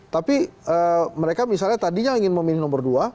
tapi mereka misalnya tadinya ingin memilih nomor dua